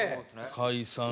解散。